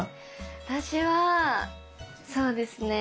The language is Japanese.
私はそうですね